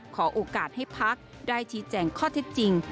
ขอโอกาสให้พักได้ชี้แจงข้อเท็จจริง